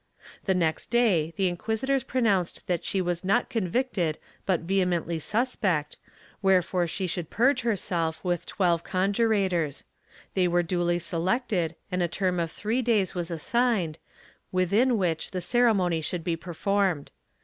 The next day the inquisitors pronounced that she was not convicted but vehemently suspect, wherefore she should purge herself with twelve conjurators. They were duly selected and a term of three days was assigned, within which the ceremony should be performed.